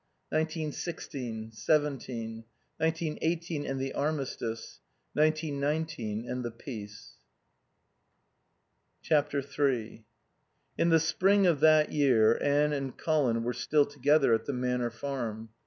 Nineteen sixteen, seventeen. Nineteen eighteen and the armistice. Nineteen nineteen and the peace. iii In the spring of that year Anne and Colin were still together at the Manor Farm.